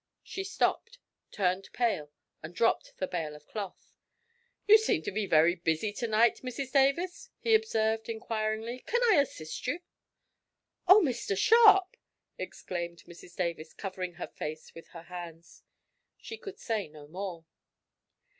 She stopped, turned pale, and dropped the bale of cloth. "You seem to be very busy to night Mrs Davis" he observed, inquiringly; "can I assist you?" "Oh, Mr Sharp!" exclaimed Mrs Davis, covering her face with her hands. She could say no more.